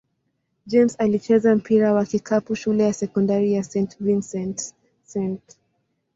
James alicheza mpira wa kikapu shule ya sekondari St. Vincent-St.